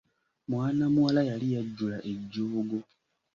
Mwana muwala yali yajjula ejjoogo.